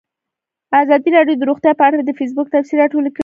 ازادي راډیو د روغتیا په اړه د فیسبوک تبصرې راټولې کړي.